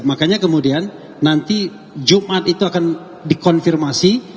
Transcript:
makanya kemudian nanti jumat itu akan dikonfirmasi